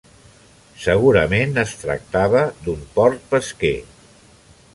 Segurament es tractava d'un port pesquer.